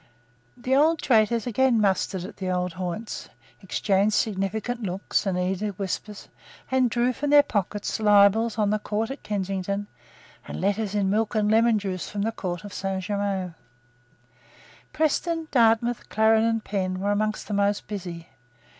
The old traitors again mustered at the old haunts, exchanged significant looks and eager whispers, and drew from their pockets libels on the Court of Kensington, and letters in milk and lemon juice from the Court of Saint Germains. Preston, Dartmouth, Clarendon, Penn, were among the most busy.